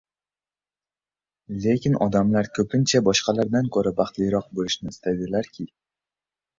Lekin odamlar ko‘pincha boshqalardan ko‘ra baxtliroq bo‘lishni istay-dilarki